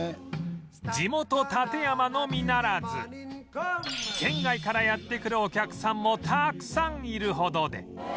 地元館山のみならず県外からやって来るお客さんもたくさんいるほどで